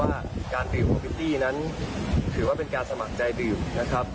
ว่าการตีหัวพิตตี้นั้นถือว่าเป็นการสมัครใจดื่มนะครับ